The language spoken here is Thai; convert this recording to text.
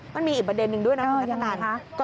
มันมีอีกประเด็นหนึ่งด้วยนะคุณนักศักรรม